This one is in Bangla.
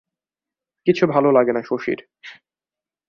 কিছু ভালো লাগে না শশীর।